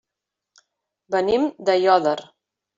Venim d'Aiòder.